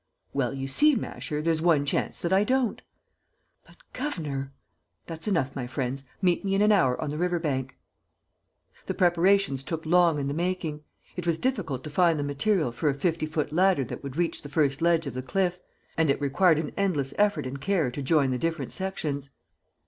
"Well, you see, Masher, there's one chance that I don't." "But, governor...." "That's enough, my friends. Meet me in an hour on the river bank." The preparations took long in the making. It was difficult to find the material for a fifty foot ladder that would reach the first ledge of the cliff; and it required an endless effort and care to join the different sections.